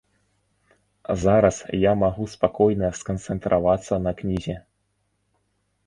Зараз я магу спакойна сканцэнтравацца на кнізе.